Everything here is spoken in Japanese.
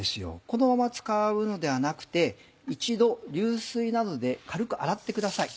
このまま使うのではなくて一度流水などで軽く洗ってください。